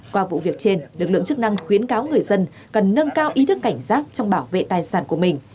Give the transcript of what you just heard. qua vụ việc trên lực lượng chức năng khuyến cáo người dân cần nâng cao ý thức cảnh giác trong bảo vệ tài sản của mình